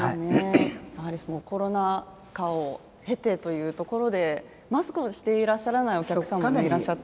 コロナ禍をへてというところで、マスクをしていらっしゃらないお客さんもいらっしゃって。